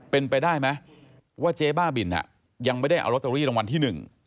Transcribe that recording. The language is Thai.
เป็นไปได้ไหมว่าเจ๊บ้าบินยังไม่ได้เอาลอตเตอรี่รางวัลที่หนึ่ง